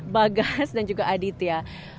bagas dan juga aditya